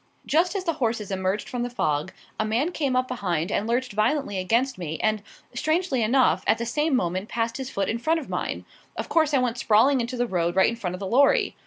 Just as the horses emerged from the fog, a man came up behind and lurched violently against me and, strangely enough, at the same moment passed his foot in front of mine. Of course I went sprawling into the road right in front of the lorry.